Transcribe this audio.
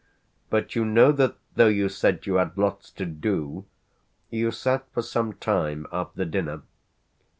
But you know that though you said you had lots to do you sat for some time after dinner.